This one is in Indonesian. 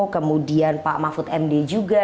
kemudian pak mahfud md juga